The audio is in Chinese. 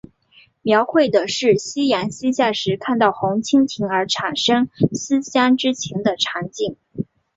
描绘的是夕阳西下时看到红蜻蜓而产生思乡之情的场景。